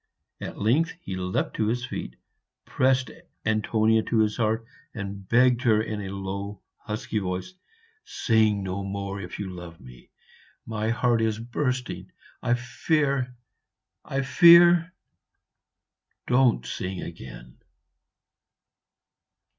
At length he leapt to his feet, pressed Antonia to his heart, and begged her in a low husky voice, "Sing no more if you love me my heart is bursting I fear I fear don't sing again."